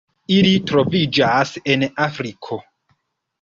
Ili troviĝas en Afriko.